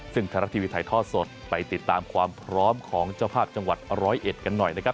ซึ่งไทยรัฐทีวีถ่ายทอดสดไปติดตามความพร้อมของเจ้าภาพจังหวัดร้อยเอ็ดกันหน่อยนะครับ